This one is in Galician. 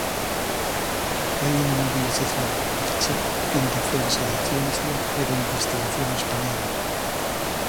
Hai unha mobilización en marcha, en defensa da ciencia e da investigación española.